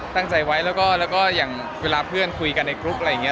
ตั้งใจไว้แล้วก็อย่างเวลาเพื่อนคุยกันในกรุ๊ปอะไรอย่างนี้